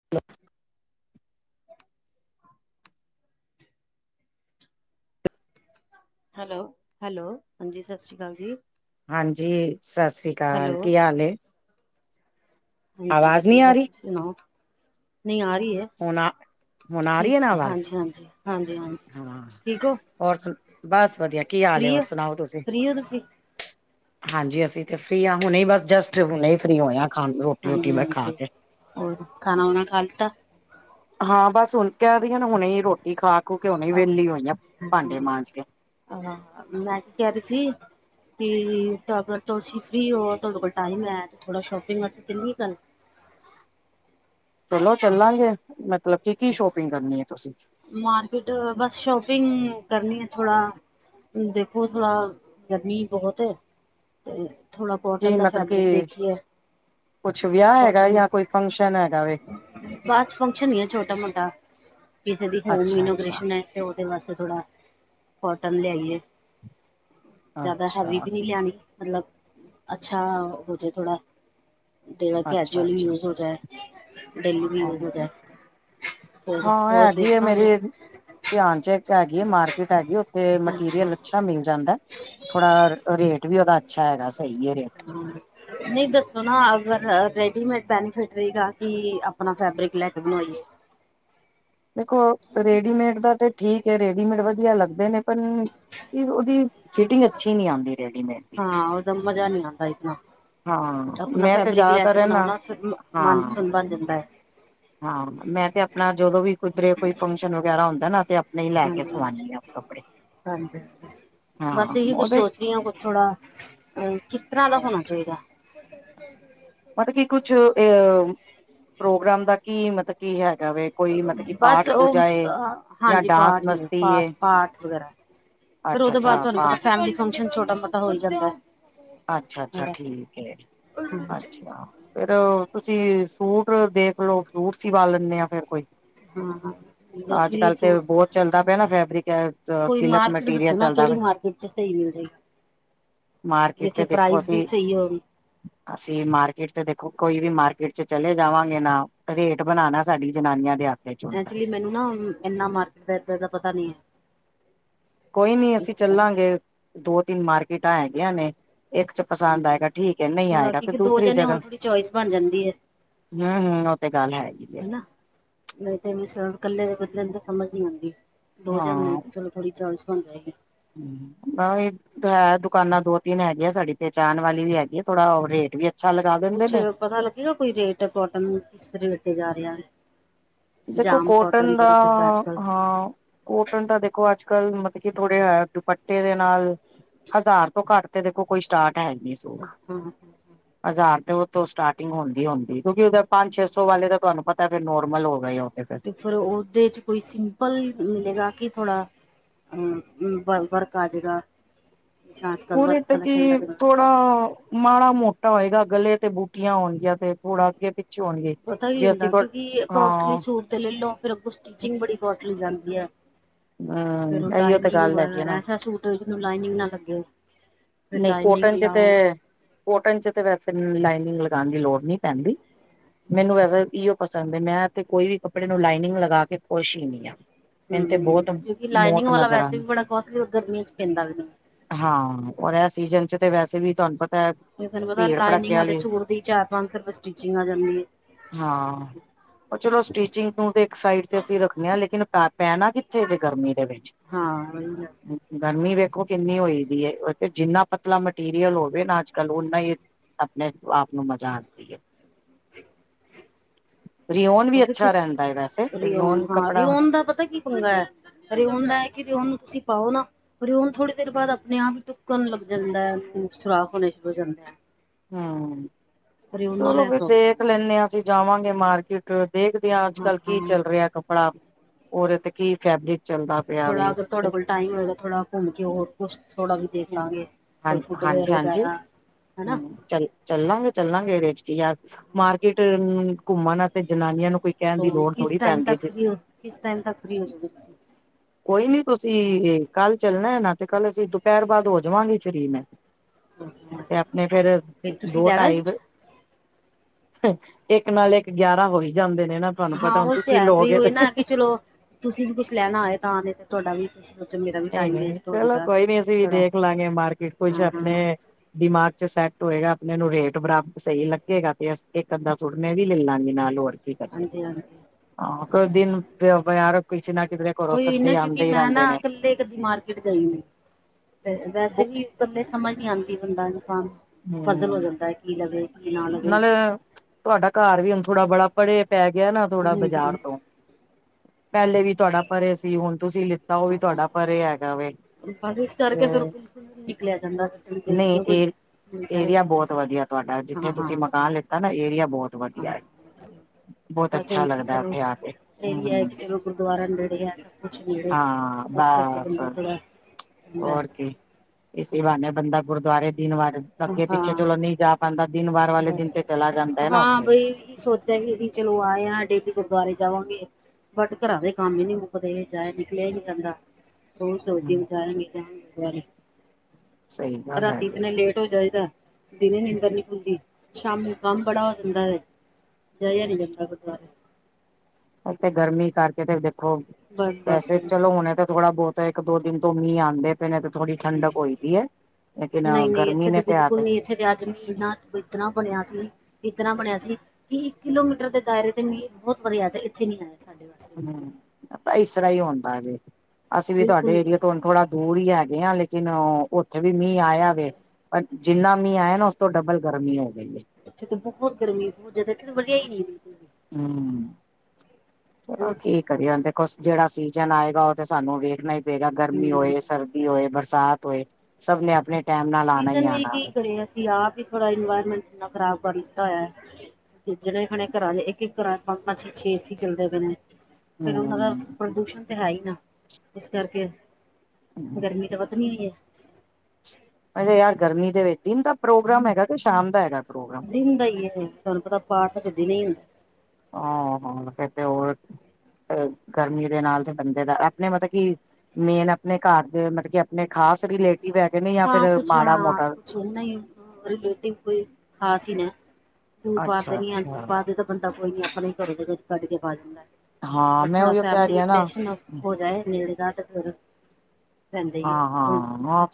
[unintelligible] Hello hello, ਹਾਂਜੀ, ਸਤਿ ਸ਼੍ਰੀ ਅਕਾਲ ਜੀ। ਹਾਂਜੀ, ਸਤਿ ਸ੍ਰੀ ਹੈਲੋ ਅਕਾਲ, ਕੀ ਹਾਲ ਐ? ਹਾਂਜੀ, ਨਹੀਂ ਆ ਵਧੀਆ ਰਹੀ ਤੁਸੀਂ ਸੁਣਾਓ? ਨਹੀਂ ਆ ਰਹੀ ਹੈ ਹੁਣ ਆ ਹੁਣ ਆ ਰਹੀ ਠੀਕ, ਹੈ ਨਾ ਆਵਾਜ਼ ਹਾਂਜੀ-ਹਾਂਜੀ-ਹਾਂਜੀ-ਹਾਂਜੀ। ਹਾਂ ਹੋਰ ਸੁਣਾਓ ਬਸ ਵਧੀਆ, ਕੀ ਹਾਲ ਫ੍ਰਰੀ ਹੋਰ ਹੋ ਸੁਣਾਓ ਤੁਸੀਂ? ਫ੍ਰਰੀ ਹੋ ਤੁਸੀਂ ਹਾਂਜੀ ਅਸੀਂ ਤੇ ਫਰੀ ਹਾਂ ਹੁਣੇ ਹੀ ਬਸ ਜਸਟ ਹੁਣੇ ਹੀ ਫ੍ਰਰੀ ਹੋਏ ਆ, ਹਾਂਜੀ-ਹਾਂਜੀ, ਹੋਰ ਖਾਣਾ ਵਾਣਾ ਖਾ ਲਤਾ, ਹਾਂ ਬਸ ਹੁਣ ਕਹਿ ਦੀ ਨਾ ਹੁਣੇ ਰੋਟੀ ਖਾ-ਖੂ ਕੇ ਹੁਣੇ ਵਿਹਲੀ ਹੋਈ ਆ ਭਾਂਡੇ ਮਾਂਜ ਕੇ, ਆਹ ਮੈਂ ਕੀ ਕਹਿ ਰੀ ਸੀ। ਤੇ ਅਗਰ ਤੁਸੀਂ ਫ੍ਰਰੀ ਹੋ ਤੁਹਾਡੇ ਕੋਲ ਟਾਈਮ ਹੈ ਤੇ ਥੋੜਾ ਸ਼ੋਪਿੰਗ ਵਸ ਚ ਕਰਨ ਚਲੋ ਚੱਲਾਂਗੇ ਮਤਲਬ ਕੀ ਕੀ ਸ਼ੋਪਿੰਗ ਕਰਨੀ ਹੈ ਤੁਸੀਂ ਮਾਰਕੀਟ ਬਸ ਸ਼ੋਪਿੰਗ ਕਰਨੀ ਹੈ ਥੋੜਾ। ਦੇਖੋ ਥੋੜਾ ਗਰਮੀ ਬਹੁਤ ਤੇ ਥੋੜਾ ਕੀ ਕੋਟਨ ਦਾ ਮਤਲਬ ਫੈਬਰਿਕ ਕਿ ਦੇਖੀਏ ਕੁਛ ਵਿਆਹ ਹੈਗਾ ਕੋਟਨ ਜਾਂ ਕੋਈ ਫੰਕਸ਼ਨ ਹੈ ਬਸ ਫੰਕਸ਼ਨ ਹੀ ਹੈ ਛੋਟਾ ਮੋਟਾ, ਕਿਸੇ ਦੀ ਹੋਮ ਅੱਛਾ ਅੱਛਾ ਇਨੋਗ੍ਰੇਸ਼ਨ ਹੈ। ਤੇ ਉਹਦੇ ਵਾਸਤੇ ਥੋੜਾ ਕੋਟਨ ਲਿਆਈਏ। ਜਿਆਦਾ ਹੈਵੀ ਅੱਛਾ ਵੀ ਨਹੀਂ ਲਿਆਣੀ ਮਤਲਬ, ਅੱਛਾ ਹੋਜੇ ਥੋੜਾ ਜਿਹੜਾ ਕੈਜੂਅਲ ਵੀ ਯੂਜ ਹੋ ਜਾਏ ਡੇਲੀ ਵੀ ਯੂਜ ਹੋ ਹਹ ਜਾਏ ਫਿਰ ਹਾਂ ਹੋਰ ਹੈਗੀ ਆ ਦੇਖਾਂਗੇ ਮੇਰੀ ਧਿਆਨ ਚ ਇੱਕ ਹੈਗੀ ਹੈ ਮਾਰਕੀਟ ਹੈਗੀ ਉੱਥੇ ਮਟੀਰੀਅਲ ਅੱਛਾ ਮਿਲ ਜਾਂਦਾ ਥੋੜਾ ਰੇਟ ਵੀ ਉਹਦਾ ਅੱਛਾ ਹੈਗਾ ਸਹੀ ਹੈ ਰ ਹਮ ਨਹੀਂ ਦੱਸੋ ਨਾ ਅਗਰ ਰੈਡੀਮੇਡ ਬੈਨੀਫਿਟ ਰਹੇਗਾ ਕਿ ਆਪਣਾ ਫੈਬਰਿਕ ਲੈ ਕੇ ਬਣਾਵਾਈਏ ਦੇਖੋ ਰੇਡੀਮੇਡ ਦਾ ਤੇ ਠੀਕ ਹੈ ਰੇਡੀਮੇਡ ਵਧੀਆ ਲੱਗਦੇ ਨੇ ਪਰ ਕੀ ਉਹਦੀ ਫਿਟਿੰਗ ਅੱਛੀ ਨਹੀਂ ਆਉਂਦੀ ਰੈਡੀਮੇਡ ਦੀ ਹਾਂ ਉਹਦਾ ਮਜ਼ਾ ਨਹੀਂ ਆਉਂਦਾ ਇਤਨਾ ਹਾਂ ਆਪਣਾ ਮੈਂ ਤੇ ਫੈਬਰਿਕ ਲੈ ਜ਼ਿਆਦਾਤਰ ਕੇ ਬਣਾਓ ਰਹਿੰਦਾ ਨਾ ਫਿਰ ਹਾਂ ਮਨਪਸੰਦ ਬਣ ਜਾਂਦਾ ਹਾਂ ਮੈਂ ਤੇ ਆਪਣਾ ਜਦੋਂ ਵੀ ਕੁਧਰੇ ਕੋਈ ਫੰਕਸ਼ਨ ਵਗੈਰਾ ਹੁੰਦਾ ਨਾ ਤੇ ਆਪਣੇ ਹੀ ਲੈ ਕੇ ਹਾਂਜੀ, ਸਵਾਉਾਨਣੀ ਆਾਂ ਕੱਪੜੇ ਹਾਂਜੀ ਬਸ ਇਹੀ ਹਾਂ ਕੁ ਉਹਦੇ ਸੋਚ ਰਹੀ ਹ ਕੁ ਥੋੜਾ ਅ ਕਿਸ ਤਰ੍ਹਾਂ ਦਾ ਹੋਣਾ ਚਾਹੀਦਾ ਮਤਲਬ ਕੀ ਕੁਛ ਅ ਪ੍ਰੋਗਰਾਮ ਦਾ ਕੀ ਮਤਲਬ ਕੀ ਹੈਗਾ ਵ ਕੋਈ ਮਤਲਬ ਕਿ ਬਸ ਪਾਠ ਉਹ ਪੂਜਾ ਏ ਜਾਂ ਹਾਂਜੀ ਡਾਂਸ ਪਾਠ ਮਸਤੀ ਪਾਠ ਏ ਪਾਠ ਵਗੈਰਾ ਫੇਰ ਉਹਦੇ ਬਾਅਦ ਅੱਛਾ-ਅੱਛਾ ਤੁਹਾਨੂੰ ਪਾ ਪਤਾ ਫੈਮਿਲੀ ਫੰਕਸ਼ਨ ਛੋਟਾ ਮੋਟਾ ਹੋ ਜਾਂਦਾ ਹੈ ਅੱਛਾ ਅੱਛਾ ਠੀਕ ਹੈ ਜ ਹਾਂ ਅੱਛਾ ਫੇਰ ਤੁਸੀਂ ਫੂਟ ਦੇਖਲੋ ਫਰੂਟ ਸਿਵਾ ਲੈਂਦੇ ਆ ਫੇਰ ਕੋਈ ਹਾਂ ਅੱਜ ਨਕਲੀ ਕੱਲ ਤੇ ਸੂਟ ਬਹੁਤ ਚੱਲਦਾ ਪਿਆ ਨਾ ਫੈਬਰਿਕ ਕੋਈ ਸਿਲਕ ਮਾਰਕੀਟ ਦੱਸੋ ਮਟੀਰੀਅਲ ਨਾ ਚੱਲਦਾ ਕਿਹੜੀ ਪਿਆ ਮਾਰਕੀਟ ਚ ਸਹੀ ਨ ਹੋ ਜਾਏ ਮਾਰ ਜਿੱਥੇ ਪ੍ਰਾਈਜ਼ ਵੀ ਸਹੀ ਹੋਣ ਅਸੀਂ ਮਾਰਕੀਟ ਚ ਦੇਖੋ ਕੋਈ ਵੀ ਮਾਰਕੀਟ ਚ ਚਲੇ ਜਾਵਾਂਗੇ ਨਾ ਰੇਟ ਬਣਾਉਣਾ ਸਾਡੀ ਜਨਾਨੀਆਂ ਦੇ ਆਪ ਐਕਚੁਲੀ ਮੈਨੂੰ ਨਾ ਇੰਨਾ ਮਾਰਕੀਟ ਦਾ ਇਦ ਦਾ ਪਤਾ ਨੀ ਹੈ ਕੋਈ ਨੀ ਅਸੀਂ ਇਸ ਚੱਲਾਂਗੇ ਦੋ ਤਿੰਨ ਮਾਰਕੀਟਾਂ ਹੈਗੀਆਂ ਨੇ ਇੱਕ ਚ ਪਸੰਦ ਕਰਕੇ ਆਏਗਾ ਠੀਕ ਹੈ ਨਹੀਂ ਥੋੜਾ ਆਏਗਾ ਤੇ ਕਿਉਂਕਿ ਦੋ ਦੂਸਰੀ ਜਣੇ ਹੋਣ ਜਗ੍ਹਾ ਥੋੜੀ ਚੋਇਸ ਬਣ ਜਾਂਦੀ ਹੈ ਹਮ ਹਮ ਉਹ ਤੇ ਗੱਲ ਹੈਗੀ ਜੇ ਹਨਾ ਨਹੀਂ ਤੇ ਕੱਲੇ ਦੇ ਕੁ ਦਿਨ ਤਾਂ ਸਮਝ ਨੀ ਆਉਂਦੀ ਦੋ ਜਾਣ ਤੇ ਚਲੋ ਥੋੜ੍ਹੀ ਚਲਚ ਹੁੰਦਾ ਹੈਗੀ ਹਮ ਮ ਇਹ ਹੈ ਦੁਕਾਨਾਂ ਦੋ ਤਿੰਨ ਹੈਗੀਆਂ ਸਾਡੀ ਪਹਿਚਾਣ ਵਾਲੀ ਵੀ ਹੈਗੀ ਆ ਕੁਛ ਪਤਾ ਲੱਗੇਗਾ ਕੋਈ ਰੇਟ ਬਟਮ ਕਿਸ ਰੇਟ ਤੇ ਜਾ ਰਿਹਾ ਹੈ ਦੇਖੋ ਜਾਮ ਕੋਟਨ ਦਾ ਜਿਹੜਾ ਚੱਲਦਾ ਅੱਜ ਕੱਲ ਹਾਂ ਕੋਟਨ ਤਾਂ ਦੇਖੋ ਅੱਜ ਕੱਲ੍ਹ ਮਤਲਬ ਕੀ ਥੋੜੇ ਦੁਪੱਟੇ ਦੇ ਨਾਲ ਹਜ਼ਾਰ ਤੋਂ ਘੱਟ ਤੇ ਦੇਖੋ ਕੋਈ ਸਟਾਰਟ ਹੈ ਨਹੀਂ ਹ ਹਾਂ ਹਜ਼ਾਰ ਤੇ ਉਹੋਂ ਸਟਾਰਟਿੰਗ ਹੁੰਦੀ ਹੁੰਦੀ ਕਿਉਂਕਿ ਉਹ ਪੰਜ ਛੇ ਸੌ ਵਾਲੇ ਤਾਂ ਤੁਹਾਨੂੰ ਪਤਾ ਫ ਨੋਰਮਲ ਹੋ ਗਏ ਉਹ ਤੇ ਤੇ ਫਿਰ ਉਹਦੇ ਚ ਕੋਈ ਸਿੰਪਲ ਮਿਲੇਗਾ ਕਿ ਥੋੜਾ ਹਮ ਵਰਖ ਆਜ ਗਾਛ ਅੱਜ ਕੱਲ ਉਹਦੇ ਵਰਖ ਤੇ ਵਾਲਾ ਚੱਲਦਾ ਕੀ ਪੈਂਦਾ ਥੋੜਾ ਮਾੜਾ ਮੋਟਾ ਹੋਏਗਾ ਗਲੇ ਤੇ ਬੂਟੀਆਂ ਹੋਣਗੀਆਂ ਤੇ ਥੋੜਾ ਅੱਗੇ ਪਿੱਛੇ ਹੋਣਗੇ ਪਤਾ ਹੀ ਜੇ ਅਸੀਂ ਹੁੰਦਾ ਕਿਉਂਕਿ ਕੋਸਟਲੀ ਹਾਂ ਸੂਟ ਤੇ ਲੈ ਲ ਫੇਰ ਅੱਗ ਸਟਿਚਿੰਗ ਬੜੀ ਕੋਸਟਲੀ ਜਾਂਦੀ ਹੈ ਫੇਰ ਹਮ ਉਹ ਇਹੀਓ ਤੇ ਲਾਈਨਿੰਗ ਗੱਲ ਹੈਗੀ ਹੈ ਵੈਰਾ ਨਾ ਐਸਾ ਸੂਟ ਜਿਹਨੂੰ ਲਾਈਨਿੰਗ ਨਾ ਲੱਗੇ ਫਿਰ ਨਹੀਂ ਲਾਈਨਿੰਗ ਕੋਟਨ ਚ ਤੇ ਲਾਓ ਕੋਟਨ ਚ ਤੇ ਵੈਸੇ ਲਾਈਨਿੰਗ ਲਗਾਉਣ ਦੀ ਲੋੜ ਨਹੀਂ ਪੈਂਦੀ ਮੈਨੂੰ ਵਸ ਇਓ ਪਸੰਦ ਹੈ ਮੈਂ ਇਥ ਕੋਈ ਵੀ ਕੱਪੜੇ ਨੂੰ ਲਾਈਨਿੰਗ ਲਗਾ ਕੇ ਖੁਸ਼ ਹੀ ਨੀ ਆ ਹੂੰ ਮੈਨੂੰ ਤੇ ਹੂੰ ਬਹੁਤ ਕਿਉਂਕਿ ਲਾਈਨਿੰਗ ਮੌਤ ਵਾਲਾ ਨਜ਼ਰ ਆ ਵੈਸੇ ਵੀ ਬੜਾ ਕੋਸਟਲੀ ਗਰਮੀਆਂ ਚ ਪੈਂਦਾ ਵੀ ਨੀ ਹਾਂ ਰ ਇਹ ਸੀਜਨ ਚ ਤੇ ਵੈਸੇ ਵੀ ਤੁਹਾਨੂੰ ਪਤਾ ਹੈ ਤੁਾਨੂੰ ਪਤਾ ਭੀੜ ਲਾਈਨਿੰਗ ਭੜੱਕਿਆ ਵਾਲੇ ਵਾਲੀ ਸੂਟ ਦੀ ਚਾਰ ਪੰਜ ਸ ਰੁਪਏ ਸਟਿਚਿੰਗ ਆ ਜਾਂਦੀ ਹੈ ਹਾਂ ਉਹ ਚਲੋ ਸਟੀਿਚਿੰਗ ਤ ਤੇ ਇੱਕ ਸਾਈਡ ਤੇ ਅਸੀਂ ਰੱਖਣੇ ਆ ਲੇਕਿਨ ਪ ਪੈਣਾ ਕਿੱਥੇ ਜੇ ਗਰਮੀ ਦੇ ਵਿੱਚ ਹਾਂਜੀ ਗਰਮੀ ਵੇਖੋ ਕਿੰਨੀ ਹੋਈ ਦੀ ਏ ਉਥੇ ਜਿੰਨਾ ਪਤਲਾ ਮਟੀਰੀਅਲ ਹੋਵੇ ਨਾ ਅੱਜ ਕੱਲ ਓਨਾ ਈ ਆਪਣੇ ਆਪ ਨੂੰ [unintelligible] ਹੈ ਰਿਓਨ ਵੀ ਅੱਛਾ ਰਹਿੰਦਾ ਹੈ ਵੈਸੇ ਰਿਓਨ ਹਾਂ ਕੱਪੜਾ ਰਿਓਨ ਦਾ ਪਤਾ ਕੀ ਹੁੰਦਾ ਏ ਰਿਓਨ ਦਾ ਹੈ ਕਿ ਰਓਨ ਤੁਸੀਂ ਪਾਓ ਨਾ ਪਰ ਹੁਣ ਥੋੜੀ ਦੇਰ ਬਾਅਦ ਆਪਣੇ ਆਪ ਹੀ [unintelligible] ਲੱਗ ਜਾਂਦਾ ਹੈ ਸੁਰਾਖ ਹੋਣੇ ਸ਼ੁਰੂ ਹੋ ਜਾਂਦਾ ਐ ਹੂੰ ਨਾਲ ਚਲੋ ਇਹ ਫਿਰ ਪ੍ਰੋਬਲਮ ਦੇਖ ਆਉਂਦੀ ਹੈ ਲੈਂਦੇ ਹਾਂ ਅਸੀਂ ਜਾਵਾਂਗੇ ਮਾਰਕੀਟ ਦੇਖਦੇ ਹਾਂ ਅੱਜ ਕੱਲ੍ਹ ਕੀ ਚੱਲ ਰਿਹਾ ਕੱਪੜਾ ਰੇ ਤੇ ਕੀ ਫੈਬਰਿਕ ਚੱਲਦਾ ਪਿਆ ਥੋੜਾ ਵੇ ਅਗਰ ਤੁਹਾਡੇ ਕੋਲ ਟਾਈਮ ਹੋਏਗਾ ਥੋੜਾ ਘੁੰਮ ਕੇ ਹੋਰ ਕੁ ਥੋੜਾ ਵੀ ਦੇਖ ਲਾਂਗੇ ਹਾਂ ਕੋਈ ਫੁੱਟਵੇਅਰ ਹਾਂਜੀ ਹਾਂਜੀ ਵਗੈਰਾ ਹਨਾ ਹਮ ਚੱਲ ਚੱਲਾਂਗੇ ਚੱਲਾਂਗੇ ਇਹਦੇ ਚ ਕੀ ਯਾਰ ਮਾਰਕੀਟ ਘੁੰਮਣ ਵਾਸਤੇ ਜਨਾਨੀਆਂ ਨੂੰ ਕੋਈ ਕਹਿਣ ਦੀ ਲੋੜ ਕਿਸ ਥੋੜ੍ਹੀ ਟਾਈਮ ਪੈਂਦੀ ਤੱਕ ਹੈ ਫ ਕਿਸ ਟਾਈਮ ਤੱਕ ਫ੍ਰੀ ਹੋ ਕੋਈ ਨੀ ਤੁਸੀਂ ਕੱਲ ਚੱਲਣਾ ਹੈ ਨਾ ਤੇ ਕੱਲ ਅਸੀਂ ਦੁਪਹਿਰ ਬਾਅਦ ਹੋ ਜਾਵਾਂਗੇ [unintelligible] ਤੁਸੀਂ ਤੇ ਆਪਣੇ ਫਿਰ ਫਿਰ ਤੁਸੀਂ ਦੋ ਲੈਣਾ ਢਾਈਵ ਕੁਛ ਇੱਕ ਨਾਲ ਇੱਕ ਗਿਆਰਾਂ ਹੋ ਹੀ ਜਾਂਦੇ ਨੇ ਨਾ ਤੁਹਾਨੂੰ ਹਾਂ ਪਤਾ ਹੁਣ ਉਹ ਤੇ ਤੁਸੀਂ ਹੈ ਵੀ ਲੋਗੇ ਉਹ ਨਾ ਤੇ ਹੈ ਕਿ ਚਲੋ ਤੁਸੀਂ ਵੀ ਕੁਛ ਲੈਣਾ ਆਏ ਤਾਂ ਨੇ ਤੇ ਤੁਹਾਡਾ ਵੀ ਸੋਚੋ ਮੇਰਾ ਵੀ ਨਹੀਂ ਟਾਈਮ ਨਹੀਂ ਵੇਸਟ ਹੋ ਚਲੋ ਜਾਏਗਾ ਕੋਈ ਨੀ ਅਸੀਂ ਵੀ ਥੋੜਾ ਦੇਖ ਲਾਂਗੇ ਮਾਰਕੀਟ ਕੁਛ ਹਾਂ ਹਾਂ ਆਪਣੇ ਦਿਮਾਗ ਚ ਸੈੱਟ ਹੋਏਗਾ ਆਪਣੇ ਨੂੰ ਰੇਟ ਬਰਾਬ ਸਹੀ ਲੱਗੇਗਾ ਤੇ ਇੱਕ ਅੱਧਾ ਸੂਟ ਮੈਂ ਵੀ ਲੈ ਲਾਂਗੀ ਨਾਲ ਹੋਰ [unintelligible] ਹਾਂਜੀ ਹਾਂਜੀ ਕੋਈ ਈ ਨਾ ਕਿਉਂਕਿ ਆਉਂਦੇ ਹੀ ਮੈਂ ਨਾ ਰਹਿੰਦੇ ਨੇ ਇਕੱਲੇ ਕਦੀ ਮਾਰਕੀਟ ਗਈ ਤੇ ਵੈਸੇ ਵੀ ਇਕੱਲੇ ਸਮਝ ਨੀ ਆਉਂਦੀ ਬੰਦਾ ਇਨਸਾਨ ਪਜ਼ਲ ਹੋ ਹਮ ਜਾਂਦਾ ਹੈ ਕੀ ਲਵੇ ਕੀ ਨਾ ਲਵੇ ਨਾਲੇ ਤੁਹਾਡਾ ਘਰ ਵੀ ਹੁਣ ਥੋੜਾ ਬੜਾ ਪਰੇ ਪੈ ਗਿਆ ਨਾ ਥੋੜਾ ਹੂੰ ਬਾਜ਼ਾਰ ਹੂੰ ਤੋਂ ਪਹਿਲੇ ਵੀ ਤੁਹਾਡਾ ਪਰੇ ਸੀ ਹੁਣ ਤੁਸੀਂ ਲਿੱਤਾ ਉਹ ਵੀ ਤੁਹਾਡਾ ਹਾਂ ਪਰੇ ਹੈਗਾ ਵੇ ਇਸ ਤੇ ਕਰਕੇ ਫੇਰ ਬਿਲਕੁਲ ਨਿਕਲਿਆ ਜਾਂਦਾ ਫਿਰ ਤੁਸੀਂ ਦੇਖਦੀ ਨਹੀਂ ਹੋ ਇਹ ਕੋਈ ਮਿਲਦਾ ਹੈ ਏਰੀਆ ਬਹੁਤ ਵਧੀਆ ਤੁਹਾਡਾ ਜਿੱਥੇ ਹਾਂ ਹਾਂ ਤੁਸੀਂ ਮਕਾਨ ਲਿੱਤਾ ਨਾ ਏਰੀਆ ਬਹੁਤ ਵਧੀਆ ਹਾਂ ਐ ਬਸ ਇ ਕਿ ਚਲੋ ਆ ਕੇ ਏਰੀਆ ਹੂੰ ਚਲੋ ਗੁਰਦੁਆਰਰਾ ਨੇੜੇ ਹੈ ਹਾਂ ਇਸ ਕਰਕੇ ਬਸ ਬੰਦਾ ਥੋੜਾ ਹੋਰ ਕੀ ਇਸ ਬਾਨੇ ਬੰਦਾ ਗੁਰਦੁਆਰੇ ਦਿਨ ਵਾਰੇ ਅੱਗੇ ਪਿੱਛੇ ਹਾਂ ਚਲੋ ਨਹੀਂ ਜਾ ਬਾਂਦਾ ਦਿਨ ਵਾਰ ਵਾਲੇ ਦਿਨ ਬਸ ਤੇ ਚਲਾ ਜਾਂਦਾ ਹੈ ਨਾ ਉੱਥੇ [unintelligible] ਵੀ ਚਲੋ ਆਏ ਹ ਡੇਲੀ ਗੁਰਦੁਆਰੇ ਜਾਵਾਂਗੇ ਬਟ ਘਰਾਂ ਦੇ ਕੰਮ ਹੀ ਨੀ ਮੁੱਕਦੇ ਚਏ ਨਿਕਲਿਆ ਹੀ ਨੀ ਜਾਂਦਾ ਬਹੁ ਸੋਦ ਹੂੰ [unintelligible] ਸਹੀ ਗੱਲ ਰਾਤੀ ਹੈਗੀ ਈਤਨੇ ਲੇਟ ਹੋ ਜਾਏਦਾ ਦਿਨ ਨੀਦਰ ਨੀ ਖੁਲ਼ਦੀ ਸ਼ਾਮੀ ਕੰਮ ਬੜਾ ਹੁੰਦਾ ਜਇਹਾ ਨਹੀਂ ਜਾਂਦਾ ਗੁਰਦੁਆਰੇ ਤੇ ਗਰਮੀ ਕਰਕੇ ਤੇ ਦੇਖੋ ਬਸ ਬਸ ਵੈਸੇ ਚਲੋ ਹੁਣੇ ਤਾਂ ਥੋੜਾ ਬਹੁਤ ਇੱਕ ਦੋ ਦਿਨ ਤੋਂ ਮੀਂ ਆਂਦੇ ਪਏ ਨੇ ਤੇ ਥੋੜੀ ਠੰਡਕ ਹੋਈਦੀ ਏ ਲੇਕਿਨ ਗਰਮੀ ਨਹੀਂ ਤੇ ਆਗ ਜ਼ਮੀਨਾਂ ਇੱਦਨਾ ਬਣਿਆ ਸੀ ਇਤਨਾ ਬਰਿਆ ਸੀ ਕਿ ਇੱਕ ਕਿਲੋਮੀਟਰ ਦੇ ਦਾਇਰੇ ਤੇ ਮੈ ਬਹੁਤ ਵਧੀਆ ਇੱਥੇ ਨੀ ਆਇਆ ਸਾਡੇ ਵ ਹੂੰ ਇਸ ਤਰ੍ਹਾਂ ਹੀ ਹੁੰਦਾ ਜੇ ਅਸੀਂ ਵੀ ਬਿਲਕੁਲ ਤੁਹਾਡੇ ਏਰੀਏ ਨੀ ਤੋਂ ਹੁਣ ਥੋੜਾ ਦੂਰ ਹੀ ਹੈਗੇ ਆ ਲੇਕਿਨ ਉੱਥੇ ਵੀ ਮੀਂਹ ਆਇਆ ਵ ਅਜ ਜਿੰਨਾ ਮੀਂਹ ਆਇਆ ਨਾ, ਉਸ ਤੋਂ ਡਬਲ ਗਰਮੀ ਹੋ ਗਈ। ਇੱਥੇ ਤਾਂ ਬਹੁਤ ਗਰਮੀ, ਬਹੁਤ ਜਾਦਾ ਇੱਥੇ ਤਾਂ ਵਧੀਆ ਹੀ ਨਹੀਂ। ਹੂੰ, ਹਾਂ ਬਹੁਤ ਕੇ ਘਰੇ ਆਂਦਾ ਜਿਹੜਾ ਸੀਜਨ ਆਏਗਾ ਉਹ ਤੇ, ਸਾਨੂੰ ਵੇਖਣਾ ਹੀ ਪਏਗਾ, ਗਰਮੀ ਹੂੰ, ਹੋਏ, ਸਰਦੀ ਹੋਏ। ਬਰਸਾਤ ਹੋਏ, ਸਭ ਨੇ ਅਪਣੇ ਟੈਮ ਨਾਲ ਆਣਾ ਹੀ ਆਣਾ। ਜ ਆਪ ਵੀ ਥੋੜ੍ਹਾ ਇਨਵਾਇਰਨਮੈਂਟ ਇੰਨਾ ਖਰਾਬ ਕਰ ਦਿੱਤਾ ਹੋਇਆ ਜਣੇ ਖਣੇ ਘਰਾਂ ਚ ਇੱਕ ਇੱਕ ਘਰਾਂ ਚ ਪੰਜ ਪੰਜ ਛੇ ਛੇ ਏ ਸੀ ਚੱਲਦੇ ਪਏਣੇ ਫਿਰ ਉਹਨਾਂ ਦਾ ਹਮ, ਪ੍ਰਦੂਸ਼ਣ ਤਾਂ ਹੈ ਹੀ ਨਾ, ਇਸ ਕਰਕੇ ਗਰਮੀ ਤਾ ਵਧਨੀ ਏ। ਅਰੇ ਯਾਰ ਗਰਮੀ ਦੇ ਵਿੱਚ, ਦਿਨ ਦਾ ਪ੍ਰੋਗਰਾਮ ਹੈਗਾ ਕਿ, ਸ਼ਾਮ ਦਾ ਹੈਗਾ ਪ੍ਰੋਗਰਾਮ। ਦਿਨ ਦਾ ਈ ਏ, ਤੁਹਾਨੂੰ ਪਤਾ ਪਾਠ ਤਾਂ ਦਿਨੇ ਈ ਹਾਂ, ਫਿਰ ਤੇ ਹੋਰ ਗਰਮੀ ਦੇ ਨਾਲ ਤੇ ਬੰਦੇ ਦਾ, ਆਪਣੇ ਮਤਲਬ ਕੀ ਮੇਨ ਆਪਣੇ ਘਰ ਦੇ, ਮਤਲਬ ਕਿ ਆਪਣੇ ਖਾਸ ਰਿਲੇਟਿਵ ਹੈਗੇ ਨੇ, ਯਾ ਫਿਰ ਮਾੜਾ ਮ੍ਹੋਟਾ ਨਾ ਹੀ ਰਿਲੇਟਿਵ ਕੋਈ ਖਾਸ ਹੀ ਨਾ, ਦੂਰ ਬਾਹਰਦੇ ਅੱਛਾ ਨੀ ਆਂ ਦੂਰ ਅੱਛਾ ਬਾਹਰਦੇ ਤਾ ਬੰਦਾ ਕੋਈ ਨੀ ਆਪਣੇ ਘਰੋਂ ਦੇ ਕੱਢਕੇ ਪਾ ਲੈਂਦਾ, ਹਾਂ ਪਰ ਮੈਂ ਥੋੜਾ ਉਹੀਓ ਕਹਿ ਰਹੀ ਫੈਮਿਲੀ ਹਾਂ ਨਾ ਰਿਲੇਸ਼ਨ ਹੋ ਜਾਏ ਨੇੜੇ ਦਾ ਤੇ ਫਿਰ, ਰਹਿਂਦੇ ਹੀ ਹੈ, ਹਾਂ ਹੁਣ ਹਾਂ ਹਾਂ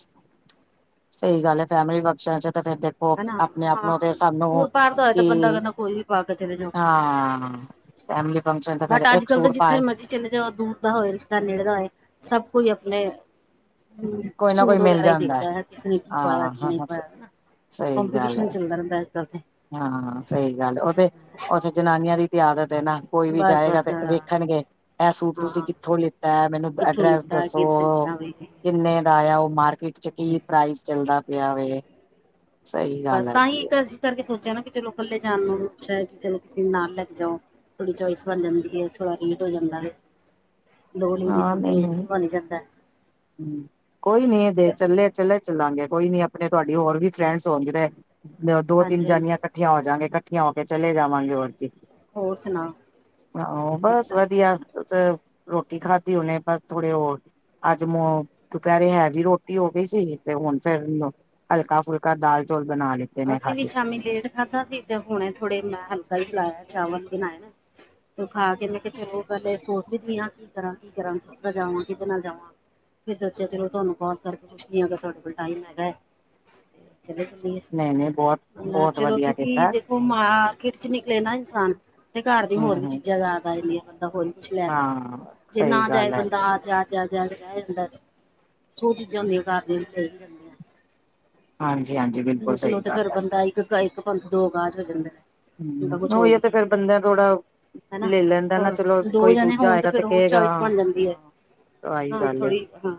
ਸਹੀ ਗੱਲ ਐ, ਫੈਮਿਲੀ ਫੰਕਸ਼ਨ'ਚ ਤਾਂ ਫਿਰ ਦੇਖ ਉਹ ਹਨਾ ਆਪਣੇ ਆਪ ਹਾਂ ਨੂੰ, ਤੇ ਸਾਨੂੰ ਦੂਰ ਪਾਰ ਦਾ ਹੋਏ ਤਾਂ ਕੀ ਬੰਦਾ ਕਹਿੰਦਾ ਕੋਈ ਵੀ ਪਾ ਕੇ ਚਲੇ ਜਾਓ। ਹਾਂ ਫੈਮਲੀ ਫੰਕਸ਼ਨ ਤੇ ਬਟ ਫਿਰ, ਅੱਜ ਇੱਕ ਕੱਲ੍ਹ ਤਾਂ ਸੂਟ ਜਿੱਥੇ ਪਾਏ ਮਰਜ਼ੀ ਚਲੇ ਜਾਓ ਦੂਰ ਦਾ ਹੋਏ ਰਿਸ਼ਤਾ, ਨੇੜੇ ਦਾ ਹੋਏ, ਸਭ ਕੋਈ ਆਪਣੇ ਹੂੰ, ਕੋਈ ਨਾ ਕੋਈ ਸੂਟ ਮਿਲ ਵਗੈਰਾ ਹੀ ਜਾਂਦਾ ਦੇਖਦਾ ਹੈ, ਕਿਸ ਨੇ ਕੀ ਪਾਇਆ, ਹਾਂ ਕੀ ਨਹੀਂ ਹਾਂ ਪਾਇਆ। ਸਹੀ ਗੱਲ ਐ। ਗਰਮ ਪ੍ਰੈਸ ਕਰਦੀਂ। ਹਾਂ, ਸਹੀ ਗੱਲ ਐ, ਉਹ ਤੇ, ਉੱਥੇ ਜਨਾਨੀਆਂ ਦੀ ਆਦਤ ਏ ਨਾ। ਕੋਈ ਵੀ ਬਸ ਜਾਏਗਾ ਬਸ ਤੇ ਹਾਂ ਵੇਖਣਗੇ, ਐ ਸੂਟ ਤੁਸੀਂ ਕਿੱਥੋਂ ਲੀ ਐ, ਮੈਨੂੰ ਕਿੱਥੋਂ ਐਡਰੈਸ ਲਿੱਤਾ ਕਿੱਥੇ ਦੱਸੋ। ਲਿੱਤਾ ਵੇ ਕਿੰਨੇ ਦਾ ਆਇਆ? ਉਹ ਮਾਰਕੀਟ'ਚ ਕੀ ਪ੍ਰਾਈਸ ਚੱਲਦਾ ਪਿਆ ਵੇ? ਸਹੀ ਬਸ ਗੱਲ ਤਾਂ ਹੀ ਹੈਗੀ ਹੈ। ਇੱਕ ਅਸੀਂ ਕਰਕੇ ਸੋਚਿਆ ਨਾ ਕਿ, ਚਲੋ ਇਕੱਲੇ ਜਾਣ ਨੂੰ ਅੱਛਾ ਹੈ ਕਿ, ਜਸ ਕਿਸੇ ਨੁੰ ਨਾਲ ਲੈਕੇ ਜਾਓ। ਥੋੜ੍ਹੀ ਚੌਈਸ ਬਣ ਜਾਂਦੀ ਹੈ, ਥੋੜਾ ਰੇਟ ਹੋ ਜਾਂਦਾ। ਦੋ ਲੇਡੀਜ਼ ਹੋਣ ਤੇ, ਬਣ ਹੀ ਜਾਂਦਾ। ਹੁੰ ਕੋਈ ਨੀ ਦੇ ਚੱਲੇ-ਚੱਲੇ ਚੱਲਾਂਗੇ, ਕੋਈ ਨੀ ਆਪਣੇ ਤੁਹਾਡੀ ਹੋਰ ਵੀ ਫਰੈਂਡਸ ਹੋਣਗੇ ਤੇ ਦੋ-ਤਿੰਨ ਹਾਂਜੀ ਜਣੀਆਂ ਹਾਂਜੀ ਇਕੱਠੀਆਂ ਹੋ ਜਾਂਗੇ, ਇਕੱਠੀਆਂ ਹੋਕੇ ਚਲੇ ਜਾਵਾਂਗੇ ਹੋਰ ਕੀ। ਹੋਰ ਆਹ ਬਸ ਸੁਣਾਓ ਵਧੀਆ, ਤ ਟੀ ਖਾਦੀ ਹੁਣੇ ਬਸ, ਥੋੜੇ ਹੋਰ ਅੱਜ ਮੋ, ਦੁਪਹਿਰੇ ਹੈਵੀ ਰੋਟੀ ਹੋ ਗਈ ਸੀ, ਤੇ ਹੁਣ ਫਿਰ ਹਲਕਾ-ਫੁਲਕਾ ਦਾਲ, ਚੌਲ ਬਣਾਲੇ। ਅਸੀ ਵੀ ਸ਼ਾਮੀ ਲੇਟ ਖਾਧਾ ਸੀ, ਤੇ ਹੁਣੇ ਥੋੜੇ ਮੈਂ ਹਲਕਾ ਹੀ ਲਾਇਆ ਚਾਵਲ ਬਣਾਏਆ। ਤੋ ਖਾਕੇ ਮੈ ਕਿਹਾ ਚਲੋ, ਪਹਿਲੇ ਸੋਚ ਦੀ ਪੲਈਂ ਆਂ, ਕੀ ਕਰਾਂ, ਕੀ ਕਰਾਂ, ਕਿਸ ਦਾ ਜਾਵਾਂ, ਕਿਹਦੇ ਨਾਲ ਜਾਵਾਂ। ਫਿਰ ਸੋਚਿਆ ਚਲੋ, ਤੁਹਾਨੂੰ ਕੌਲ ਕਰਕੇ ਪੁੱਛਦੀ ਹਾਂ, ਅਗਰ ਤੁਹਾਡੇ ਕੋਲ ਟਾਈਮ ਹੈਗਾ ਹੈ। ਚਲੋ, ਚੱਲੀਏ। ਨਹੀਂ-ਨਹੀਂ ਬਹੁਤ ਬਹੁਤ ਚਲੋ ਵਧੀਆ ਕਿਂਉਕੀ ਕੀਤਾ ਦੇਖੋ, 'ਮਾਂ' ਕੀ'ਚ ਨਿਕਲੇ ਨਾ ਇਨਸਾਨ। ਤੇ ਘਰ ਦੀਆ, ਹਮ ਹੋਰ ਵੀ ਹਮ ਚੀਜ਼ਾਂ ਯਾਦ ਆ ਜਾਂਦੀਆ ਬੰਦਾ ਹੋਰ ਵੀ ਕੁਝ ਲੈਣਦਾ, ਹਾਂ ਜੇ ਸਹੀ ਨਾ ਜਾਏ ਗੱਲ ਹੈ ਬੰਦਾ ਆ ਜਾ ਜਾਦ-ਜਾਦ ਐ ਹੁੰਦਾ ਸੀ, ਜੋ ਚੀਜ਼ਾਂ ਹੁੰਦੀਆਂ ਕਰ ਦਿਂਦੀ ਹਾਂਜੀ-ਹਾਂਜੀ, ਬਿਲਕੁਲ ਸਹੀ ਇਕਲੋਤੇ ਫਿਰ ਗੱਲ ਹੈ। ਬੰਦਾ ਇੱਕ ਇੱਕ ਪੰਥ, ਦੋ ਕਾਜ ਹੋ ਜਾਂਦੇ ਨੇ। ਹੁੰ, ਉਹੀ ਆ ਤੇ ਫੇਰ ਬੰਦਾ ਥੋੜਾ ਹੈਨਾ। ਲੈ ਲੈਂਦਾ ਨਾ ਹੋਰ, ਚਲੋ ਦੋ ਕੋਈ ਜਣੇ ਦੂਜਾ ਹੋਣ ਤੇ ਆਏਗਾ ਫਿਰ ਹੋਰ ਕਹੇਗਾ ਚੌਇਸ ਬਣ ਜਾਂਦੀ ਏ। ਹਾਂ ਹਾਂ -ਥੋੜੀ -ਹਾਂ।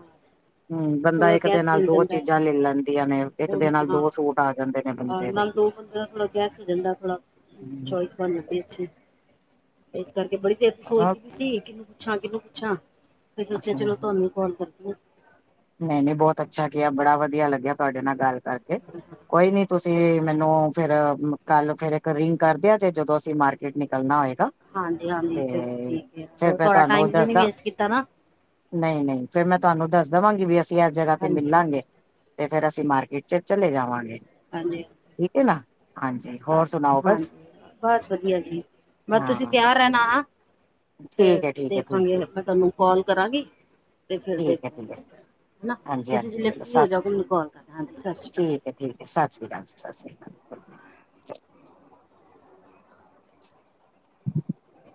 ਹਮਹੁ ਬੰਦਾ ਥੋੜਾ ਇੱਕ ਦੇ ਗੈਸ ਨਾਲ, ਮਿਲ ਦੋ ਜਾਂਦਾ ਹੈ ਚੀਜ਼ਾਂ ਲੈ ਲੈਂਦੀਆਂ ਨੇ ਇੱਕ ਉਹ ਦਿ ਆ, ਦੋ ਸੂਟ ਆ ਜਾਂਦੇ ਨੇ ਬੰਦੇ ਦ? ਥੋੜਾ ਥੋੜਾ ਗੇਸ ਹੋ ਜਾਂਦਾ ਥੋੜਾ, ਚੋਇਸ ਬਣ ਜਾਂਦੀ ਅੱਛੀ। ਇਸ ਕਰਕੇ ਬੜੀ ਦੇਰ ਦੀ ਸੋਚਦੀ ਵੀ ਸੀ, ਤਾਂ ਕਿ ਪੁੱਛਾਂ ਕਿਹਨੂੰ ਪੁੱਛਾਂ? ਤੇ ਸੋਚਿਆ ਚਲੋ, ਤੁਹਾਨੂੰ ਕੌਲ ਕਰਦੀ ਆਂ। ਨਹੀਂ-ਨਹੀਂ ਬਹੁਤ ਅੱਛਾ ਕੀਆ, ਬੜਾ ਵਧੀਆ ਲੱਗਿਆ, ਤੁਹਾਡੇ ਨਾਲ ਗੱਲ ਨਾਸ਼ਤਾ ਕਰ ਕੇ, ਕੋਈ ਨੀ ਤੁਸੀਂ ਮੈਨੂੰ ਫੇਰ ਕੱਲ ਫੇਿਰ, ਇੱਕ ਰਿੰਗ ਕਰਦਿਆਂ ਜੇ, ਜਦੋਂ ਅਸੀਂ ਮਾਰਕੀਟ, ਨਿਕਲਣਾ ਹੋਏਗਾ। ਹਾਂਜੀ ਤੇ ਹਾਂਜੀ ਚਲੋ ਠੀਕ ਹੈ ਫੇਰ ਤੁਹਾਡਾ ਟਾਈਮ ਤੇ ਨਈ ਵੇਸਟ ਕੀਤਾ ਨਾ? ਨਹੀਂ--ਨਹੀਂ ਫੇਿਰ ਮੈਂ ਤੁਹਾਨੂੰ ਦੱਸ ਦੇਵਾਂਗੀ, ਵੀ ਅਸੀਂ ਇਸ ਜਗ੍ਹਾ, ਤੇ ਹਾਂਜੀ ਮਿਲਾਂਗੇ। ਹਾਂਜੀ। ਤੇ, ਫੇਰ ਅਸੀਂ ਮਾਰਕੀਟ ਚ, ਚਲੇ ਜਾਵਾਂਗੇ। ਹਾਂਜੀ ਠੀਕ ਹੈ ਨਾ, ਹਾਂਜੀ। ਹੋਰ ਸੁਣਾਓ ਬਸ ਹਾਂਜੀ, ਬਸ ਵਧੀਆ ਜੀ, ਮਤਲਬ ਤੁਸੀਂ ਹਾਂ ਤਿਆਰ ਰਹਿਣਾ। ਫਿਰ ਠੀਕ ਹੈ ਠੀਕ ਹੈ ਠੀਕ ਦੇਖਾਂਗੇ, ਹੈ ਠੀਕ ਮੈਂ ਤਹਾਨੂੰ ਕਾਲ ਕਰਾਂਗੀ ਤੇ ਫਿਰ ਹੈ ਠੀਕ ਹੈ ਦੇਖਾਂਗੀ। ਨ ਹਾਂਜੀ ਤੁਸੀਂ ਜਿਸ ਹਾਂਜੀ ਲੇ ਚਲੋ ਫ੍ਰਰੀ ਹੋ ਜਾਓਗੇ, ਮੈਨੂੰ ਕੋਲ ਕਰਨਾ, ਹਾਂਜੀ ਸਤਿ ਸ਼੍ਰੀ ਅਕਾਲ। ਕ ਠੀਕ, ਸਤਿ ਸ੍ਰੀ ਅਕਾਲ, ਜੀ ਸਤਿ ਸ੍ਰੀ ਅਕਾਲ। [unintelligible]